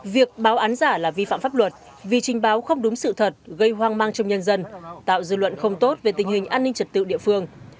việc báo án giả là vi phạm pháp luật vì trình báo không đúng sự thật gây hoang mang trong nhân dân tạo dư luận không tốt về tình hình an ninh trật tự địa phương